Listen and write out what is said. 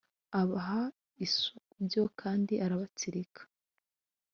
abaha isubyo kandi arabatsirika